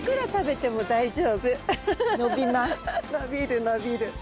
伸びる伸びる。